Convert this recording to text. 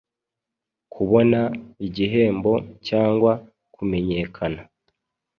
Kubona igihembo cyangwa kumenyekana